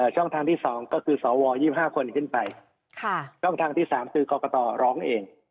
ช่องทางที่๒ก็คือสว๒๕คนขึ้นไปช่องทางที่๓คือกรกตร้องเอง